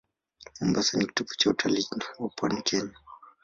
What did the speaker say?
Mombasa ni kitovu cha utalii wa pwani ya Kenya.